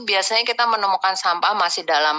biasanya kita menemukan sampah masih dalam